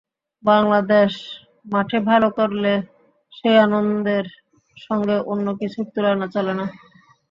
বাংলাদেশ মাঠে ভালো করলে সেই আনন্দের সঙ্গে অন্য কিছুর তুলনা চলে না।